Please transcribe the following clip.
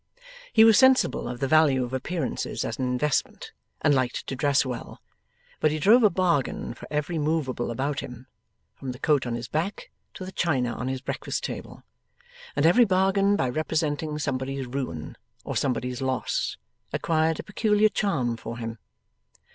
He was sensible of the value of appearances as an investment, and liked to dress well; but he drove a bargain for every moveable about him, from the coat on his back to the china on his breakfast table; and every bargain by representing somebody's ruin or somebody's loss, acquired a peculiar charm for him.